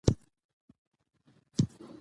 په افغانستان کې جواهرات ډېر اهمیت لري.